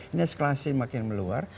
inesklasi makin meluar